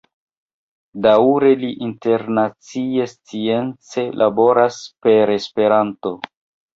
Daŭre li internacie science laboras per Esperanto.